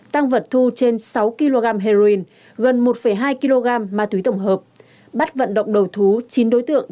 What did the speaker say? tăng vật thu trên sáu kg heroin gần một hai kg ma túy tổng hợp bắt vận động đầu thú chín đối tượng